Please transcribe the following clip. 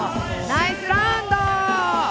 ナイスラウンド。